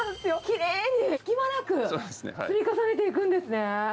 きれいに隙間なく、積み重ねていくんですね。